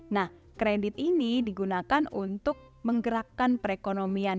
nah kredit ini digunakan untuk menggerakkan perekonomian